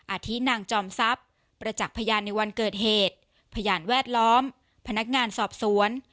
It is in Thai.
อาทินางจอมทรัพย์ประจักษ์พยานในวันเกิดเหตุพยานแวดล้อมพนักงานสอบสวน